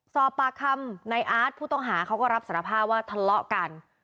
สอบปากคำในอาร์ตผู้ต้องหาเขาก็รับสารภาพว่าทะเลาะกัน